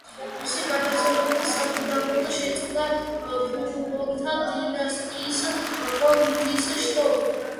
მისი გარდაცვალებით სამუდამოდ შეწყდა ბურბონთა დინასტიის კონტის შტო.